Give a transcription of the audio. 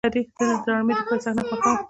زه د ډرامې د پای صحنه خوښوم.